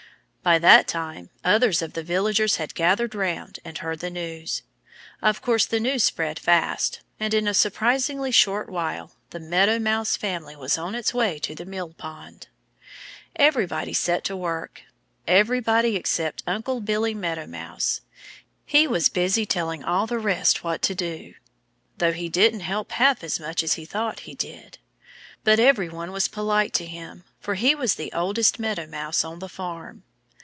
By that time others of the villagers had gathered round and heard the news. Of course the news spread fast. And in a surprisingly short while the Meadow Mouse family was on its way to the mill pond. Everybody set to work everybody except Uncle Billy Meadow Mouse. He was busy telling all the rest what to do, though he didn't help half as much as he thought he did. But every one was polite to him, for he was the oldest Meadow Mouse on the farm.